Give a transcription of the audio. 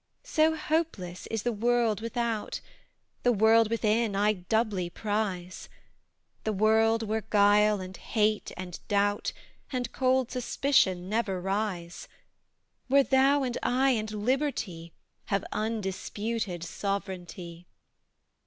So hopeless is the world without; The world within I doubly prize; Thy world, where guile, and hate, and doubt, And cold suspicion never rise; Where thou, and I, and Liberty, Have undisputed sovereignty.